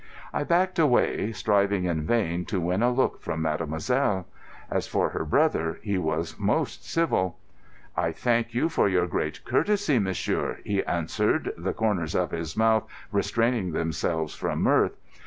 I backed away, striving in vain to win a look from mademoiselle. As for her brother, he was most civil. "I thank you for your great courtesy, monsieur," he answered, the corners of his mouth restraining themselves from mirth.